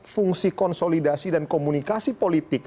fungsi konsolidasi dan komunikasi politik